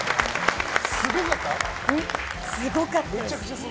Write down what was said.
すごかったです！